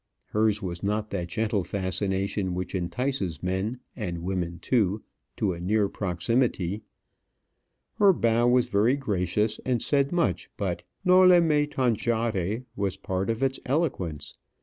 Hers was not that gentle fascination which entices men, and women too, to a near proximity. Her bow was very gracious, and said much; but "noli me tangere" was part of its eloquence.